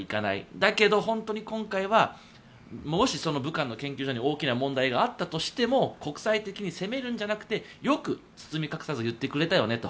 だけど本当に今回はもしその武漢の研究所に大きな問題があったとしても国際的に責めるんじゃなくてよく包み隠さず言ってくれたよねと。